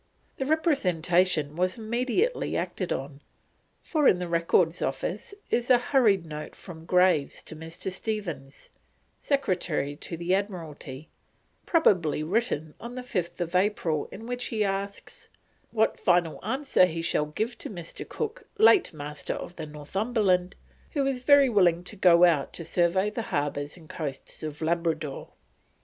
The Representation was immediately acted on, for in the Records Office is a hurried note from Graves to Mr. Stephens, Secretary to the Admiralty, probably written on the 5th April, in which he asks: "what final answer he shall give to Mr. Cook, late Master of the Northumberland, who is very willing to go out to survey the Harbours and Coasts of Labradore."